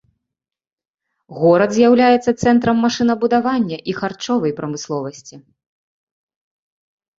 Горад з'яўляецца цэнтрам машынабудавання і харчовай прамысловасці.